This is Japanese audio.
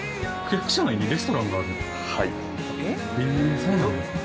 へえそうなんですね。